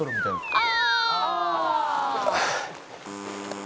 「ああ！」